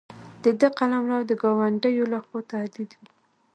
د ده قلمرو د ګاونډیو له خوا تهدید وي.